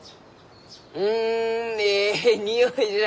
うんえいにおいじゃ。